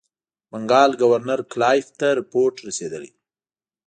بنکال ګورنر کلایف ته رپوټ رسېدلی.